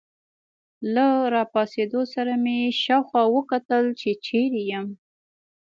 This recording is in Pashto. له راپاڅېدو سره مې شاوخوا وکتل، چې چیرې یم.